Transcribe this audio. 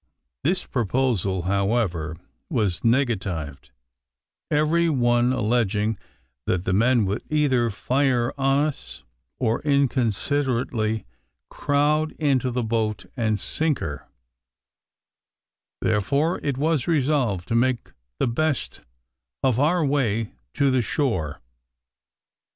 This proposal, however, was negatived, every one alleging that the men would either fire on us, or inconsiderately crowd into the boat and sink her; therefore, it was resolved to make the best of our way to the shore.